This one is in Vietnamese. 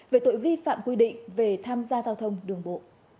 về tội vi phạm quy định về tham gia giao thông đường bộ